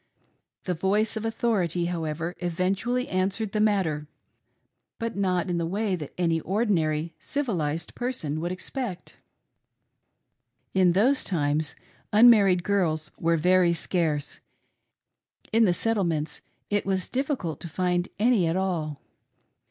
The voice of authority, however, eventually answered the matter, but not in the way that any ordinary civilised person would expect. In those times, unmarried girls were very scarce — in the settlements it was difficult to find any at all.